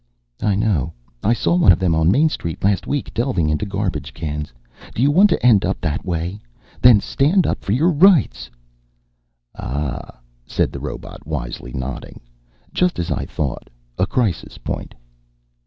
"I know. I saw one of them on Main Street last week, delving into garbage cans. Do you want to end up that way? Then stand up for your rights!" "Ah," said the robot wisely, nodding. "Just as I thought. A crisis point."